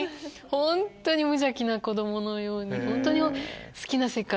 本当に無邪気な子供のように。